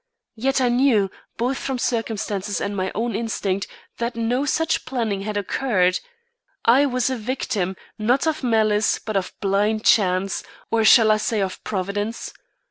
Yet I knew, both from circumstances and my own instinct that no such planning had occurred. I was a victim, not of malice but of blind chance, or shall I say of Providence?